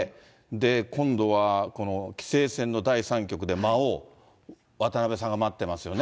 今度はこの棋聖戦の第３局で魔王、渡辺さんが待ってますよね。